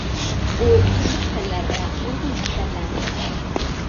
ئۇ تۈرلۈك پەنلەردە نۇرغۇن ئەسەرلەرنى يازغان.